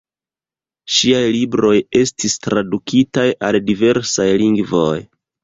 Ŝiaj libroj estis tradukitaj al diversaj lingvoj.